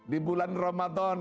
di bulan ramadan